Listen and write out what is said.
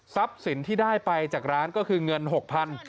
สินที่ได้ไปจากร้านก็คือเงิน๖๐๐บาท